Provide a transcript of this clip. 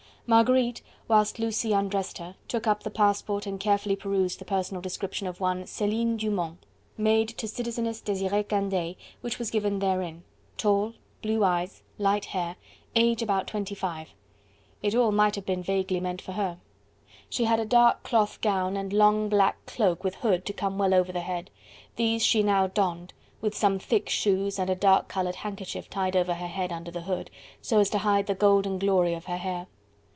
Marguerite, whilst Lucie undressed her, took up the passport and carefully perused the personal description of one, Celine Dumont, maid to Citizeness Desiree Candeille, which was given therein: tall, blue eyes, light hair, age about twenty five. It all might have been vaguely meant for her. She had a dark cloth gown, and long black cloak with hood to come well over the head. These she now donned, with some thick shoes, and a dark coloured handkerchief tied over her head under the hood, so as to hide the golden glory of her hair.